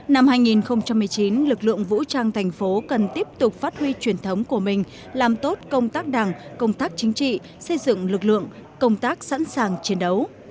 năm hai nghìn một mươi chín lực lượng vũ trang thành phố cần tiếp tục phát huy truyền thống của mình làm tốt công tác đảng công tác chính trị xây dựng lực lượng công tác sẵn sàng chiến đấu